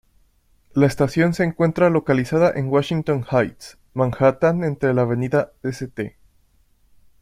La estación se encuentra localizada en Washington Heights, Manhattan entre la Avenida St.